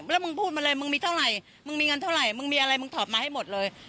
แล้วมึงพูดมาเลยมึงมีเท่าไหร่มึงมีเงินเท่าไหร่มึงมีอะไรมึงถอดมาให้หมดเลย